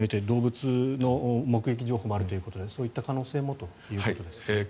あとは現場は熊も含めて動物の目撃情報もあるということでそういった可能性もということですね。